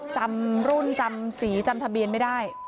จำรุ่นจำสีจำทะเบียนไม่ได้